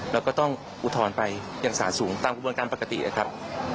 แล้วก็ต้องอุทธรณ์ไปยังสารสูงตามกระบวนการปกตินะครับ